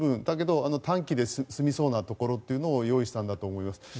だけど短期で済みそうなところを用意したんだと思います。